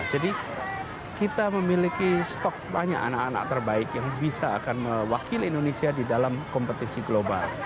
jadi kita memiliki stok banyak anak anak terbaik yang bisa akan mewakil indonesia di dalam kompetisi global